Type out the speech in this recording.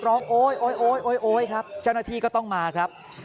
โอ๊ยโอ๊ยโอ๊ยโอ๊ยโอ๊ยครับเจ้าหน้าที่ก็ต้องมาครับ